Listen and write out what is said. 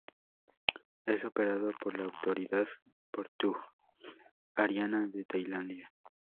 Es operado por la Autoridad Portuaria de Tailandia.